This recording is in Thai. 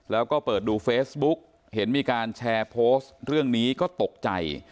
แล้วก็เปิดดูเฟซบุ๊กเห็นมีการแชร์โพสต์เรื่องนี้ก็ตกใจ